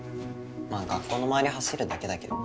まあ学校の周り走るだけだけど。